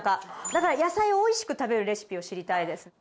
だから野菜をおいしく食べるレシピを知りたいです